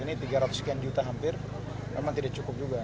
ini tiga ratus sekian juta hampir memang tidak cukup juga